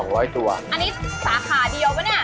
อันนี้สาขาเดียวกูนี่